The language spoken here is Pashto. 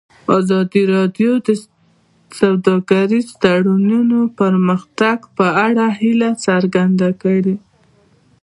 ازادي راډیو د سوداګریز تړونونه د پرمختګ په اړه هیله څرګنده کړې.